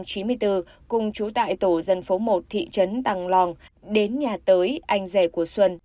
cùng trú tại tổ dân phố một thị trấn tăng lòng đến nhà tới anh rể của xuân